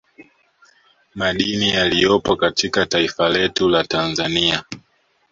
Madini yaliyopo katika taifa letu la Tanzania